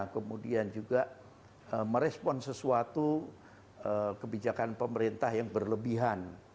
kemudian juga merespon sesuatu kebijakan pemerintah yang berlebihan